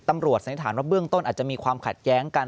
สันนิษฐานว่าเบื้องต้นอาจจะมีความขัดแย้งกัน